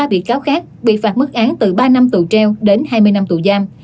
ba bị cáo khác bị phạt mức án từ ba năm tù treo đến hai mươi năm tù giam